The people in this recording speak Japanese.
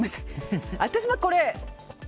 私はこれ。